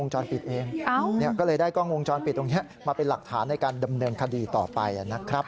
ช้อนปิดตรงนี้มาเป็นหลักฐานในการดำเนินคดีต่อไปนะครับ